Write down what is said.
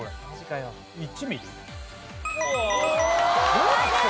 正解です！